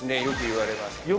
よくいわれます。